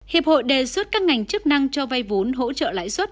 hiệp hội đề xuất các ngành chức năng cho vay vốn hỗ trợ lãi suất